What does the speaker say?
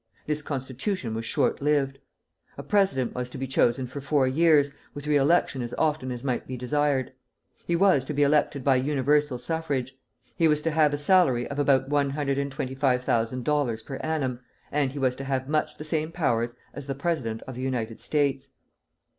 This constitution was short lived. A president was to be chosen for four years, with re election as often as might be desired. He was to be elected by universal suffrage. He was to have a salary of about one hundred and twenty five thousand dollars per annum, and he was to have much the same powers as the President of the United States.